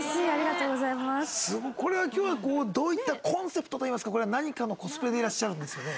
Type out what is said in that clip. これは今日はどういったコンセプトといいますかこれは何かのコスプレでいらっしゃるんですよね？